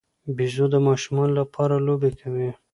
بيزو د ماشومانو سره لوبې کوي.